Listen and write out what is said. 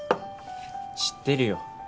知ってるよ。